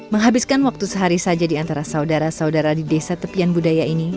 menghabiskan waktu sehari saja di antara saudara saudara di desa tepian budaya ini